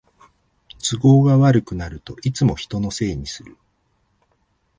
都合が悪くなるといつも人のせいにする